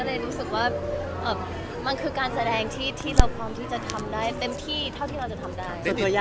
เลยรู้สึกว่ามันคือการแสดงที่เราพร้อมที่จะทำได้เต็มที่เท่าที่เราจะทำได้